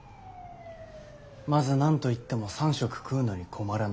まず何と言っても３食食うのに困らない。